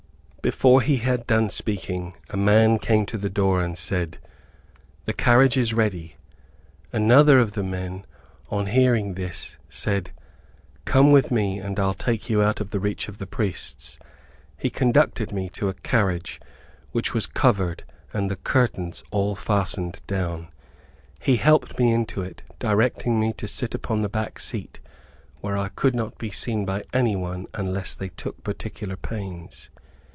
Before he had done speaking, a man came to the door and said, "The carriage is ready." Another of the men, on hearing this, said, "Come with me, and I'll take you out of the reach of the priests." He conducted me to a carriage, which was covered and the curtains all fastened down. He helped me into it, directing me to sit upon the back seat, where I could not be seen by any one unless they took particular pains.